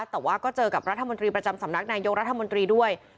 แต่ว่าก็เจอกับรัฐมนตรีประจำสำนักนายกรัฐมนตรีด้วย